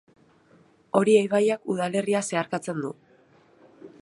Oria ibaiak udalerria zeharkatzen du.